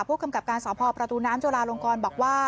ผู้กำกับการสพประตูน้ำจุลาลงกรบอกว่า